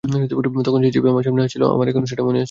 তখন সেই জিপে আমার সামনে হাসছিল আমার এখনো সেটা মনে আছে।